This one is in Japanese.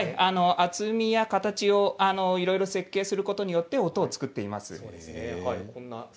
厚みや形をいろいろ設定することによって音を作っています。